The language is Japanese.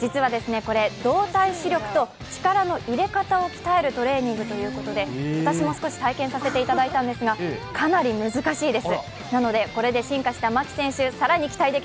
実は動体視力と力の入れ方を鍛えるトレーニングということで私も少し体験させていただいたんですが、かなり難しいです。